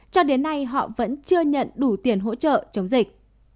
cho đến nay họ vẫn chưa nhận đủ tiền hỗ trợ chống dịch